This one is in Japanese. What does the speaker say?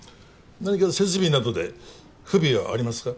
何か設備などで不備はありますか？